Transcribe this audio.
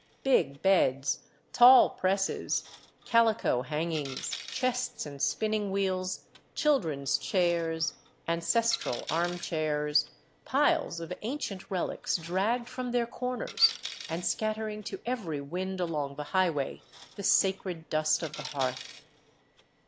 Big beds, tall presses, calico hangings, chests and spinning wheels, chil dren's chairs, ancestral armchairs, piles of ancient relics dragged from their corners, and scattering to every wind along the highway the sacred dust of the hearth.